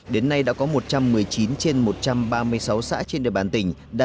đến nay đã có một trăm linh đồng